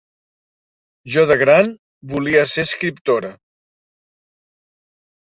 Jo de gran volia ser escriptora.